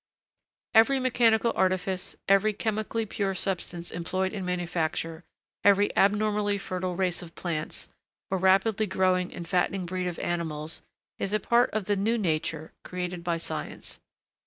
Every mechanical artifice, every chemically pure substance employed in manufacture, every abnormally fertile race of plants, or rapidly growing and fattening breed of animals, is a part of the new Nature created by science.